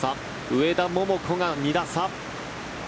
上田桃子が２打差。